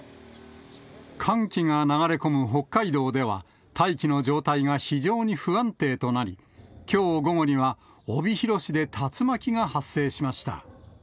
寒気が流れ込む北海道では、大気の状態が非常に不安定となり、きょう午後には帯広市で竜巻が発生しました。